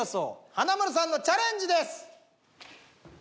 華丸さんのチャレンジです。